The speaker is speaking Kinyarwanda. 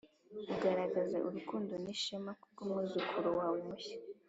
ugaragaza urukundo n'ishema kubwumwuzukuru wawe mushya